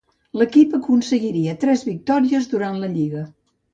L'equip aconseguiria tres victòries durant la lliga.